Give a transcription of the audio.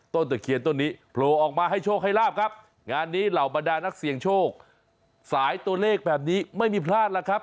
ตะเคียนต้นนี้โผล่ออกมาให้โชคให้ลาบครับงานนี้เหล่าบรรดานักเสี่ยงโชคสายตัวเลขแบบนี้ไม่มีพลาดแล้วครับ